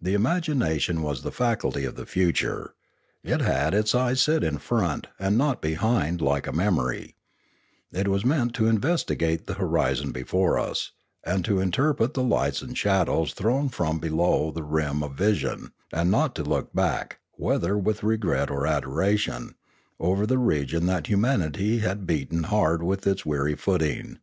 The im agination was the faculty of the future; it had its eyes set in fronts and not behind like memory ; it was meant to investigate the horizon before us, and to interpret the lights and shadows thrown from below the rim of vision, and not to look back, whether with regret or adoration, over the region that humanity had beaten hard with its weary footing.